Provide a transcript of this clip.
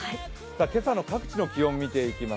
今朝の各地の気温見ていきます